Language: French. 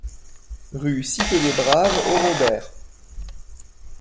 Rue Cité des Braves au Robert